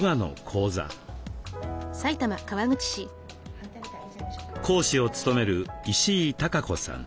講師を務める石井及子さん。